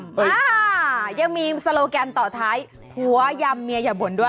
อ่ายังมีโซโลแกรมต่อท้ายผัวยำเมียอย่าบ่นด้วย